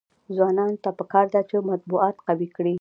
ځوانانو ته پکار ده چې، مطبوعات قوي کړي.